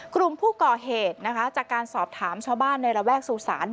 กลุ่มผู้ก่อเหตุนะคะจากการสอบถามชาวบ้านในระแวกสู่ศาล